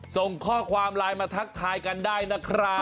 ส่งข้อความไลน์มาทักทายกันได้นะครับ